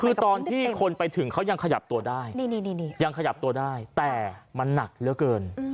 คือตอนที่คนไปถึงเขายังขยับตัวได้แต่มันหนักเหลือเกิน